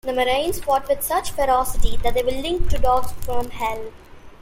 The Marines fought with such ferocity that they were likened to Dogs from Hell.